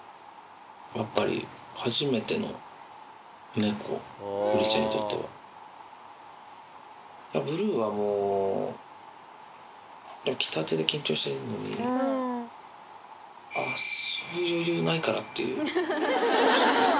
やっぱり、初めての猫、ウリちゃんにとっては。ブルーはもう、来たてで緊張してるのに、遊ぶ余裕ないからっていう。